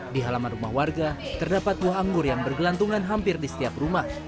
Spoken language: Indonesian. di halaman rumah warga terdapat buah anggur yang bergelantungan hampir di setiap rumah